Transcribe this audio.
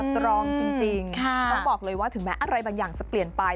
ตรองจริงต้องบอกเลยว่าถึงแม้อะไรบางอย่างจะเปลี่ยนไป